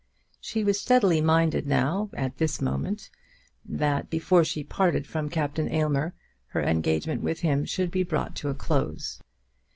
She was steadily minded, now, at this moment, that before she parted from Captain Aylmer, her engagement with him should be brought to a close.